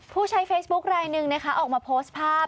ผู้ใช้เฟซบุ๊คลายหนึ่งนะคะออกมาโพสต์ภาพ